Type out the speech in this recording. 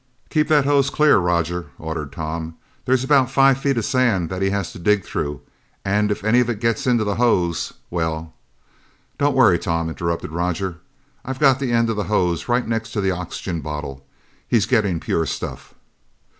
"Keep that hose clear, Roger!" ordered Tom. "There's about five feet of sand that he has to dig through and if any of it gets into the hose well " "Don't worry, Tom," interrupted Roger. "I've got the end of the hose right next to the oxygen bottle. He's getting pure stuff!"